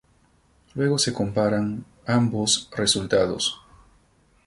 Luego se comparan ambos resultados.